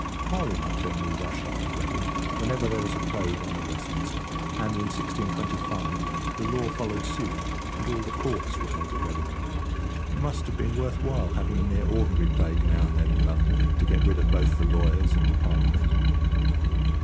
Parliament generally rushed off to Reading whenever there was a plague on at Westminster; and, in 1625, the Law followed suit, and all the courts were held at Reading. It must have been worth while having a mere ordinary plague now and then in London to get rid of both the lawyers and the Parliament.